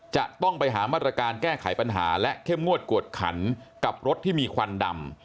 จะต้องไปหามาตรการแก้ไขปัญหาและเข้มงวดกวดขันกับรถที่มีควันดำ